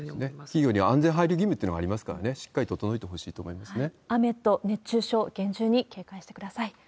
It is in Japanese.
企業には安全配慮義務というのがありますからね、しっかり整雨と熱中症、厳重に警戒してください。